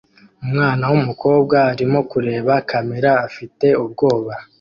Umwana wumukobwa arimo kureba kamera afite ubwoba